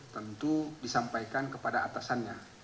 tentu disampaikan kepada atasannya